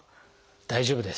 大丈夫です。